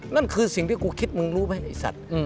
นั่นคือสิ่งที่กูคิดมึงรู้ไหมไอ้สัตว์